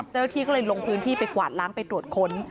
เจ้าหน้าที่ก็เลยลงพื้นที่ไปกวาดล้างไปตรวจค้น